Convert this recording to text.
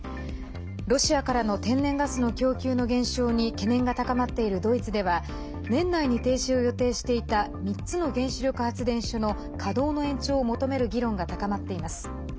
ロシアからの天然ガスの供給の減少に懸念が高まっているドイツでは年内に停止を予定していた３つの原子力発電所の稼働の延長を求める議論が高まっています。